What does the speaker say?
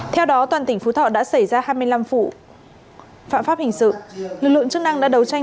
theo đó toàn tỉnh phú thọ đã xảy ra hai mươi năm vụ phạm pháp hình sự lực lượng chức năng đã đấu tranh